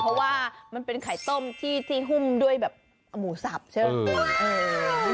เพราะว่ามันเป็นไข่ต้มที่หุ้มด้วยแบบหมูสับใช่ไหม